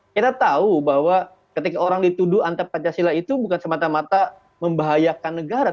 kita tahu bahwa ketika orang dituduh antar pancasila itu bukan semata mata membahayakan negara